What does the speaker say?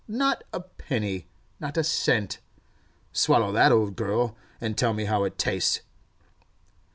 Not a penny! Not a cent! Swallow that, old girl, and tell me how it tastes.